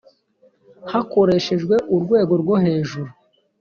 hakoreshejwe urwego rwo hejuru